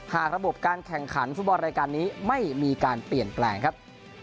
หากระบบการแข่งขันฟุตบอลรายการนี้ไม่มีการเปลี่ยนแปลงครับ